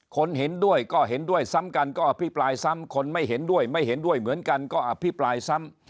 เห็นด้วยก็เห็นด้วยซ้ำกันก็อภิปรายซ้ำคนไม่เห็นด้วยไม่เห็นด้วยเหมือนกันก็อภิปรายซ้ำ